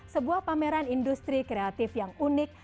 sebuah pameran industri kreatif yang unik